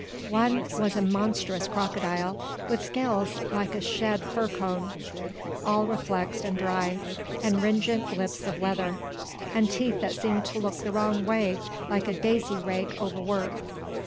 One was a monstrous crocodile, with scales like a shed fir cone, all reflexed and dry, and ringent lips of leather, and teeth that seemed to look the wrong way, like a daisy rake over worked.